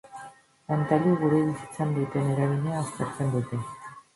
Pantailek gure bizitzan duten eragina aztertzen dute.